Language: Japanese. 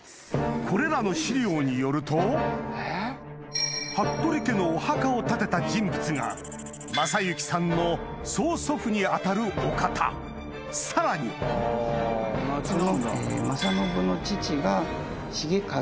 これらの資料によると服部家のお墓を建てた人物が正敬さんの曽祖父に当たるお方さらにこの正信の父が重算。